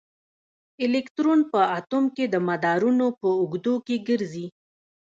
الکترون په اټوم کې د مدارونو په اوږدو کې ګرځي.